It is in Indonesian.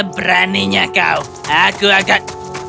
beraninya kau aku agak